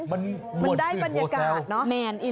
คุณยูนาวเห็นบรรยากาศแบบนี้